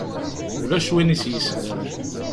Ulac win i s-yeslan.